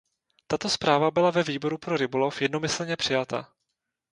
Tato zpráva byla ve Výboru pro rybolov jednomyslně přijata.